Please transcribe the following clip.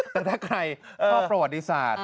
แต่ถ้าใครชอบประวัติศาสตร์